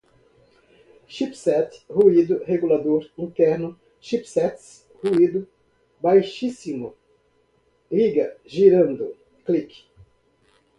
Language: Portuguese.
chipset, ruído, regulador interno, chipsets, ruído baixíssimo, liga girando, click